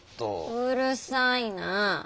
うるさいなあ。